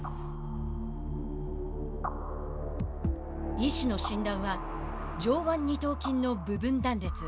医師の診断は上腕二頭筋の部分断裂。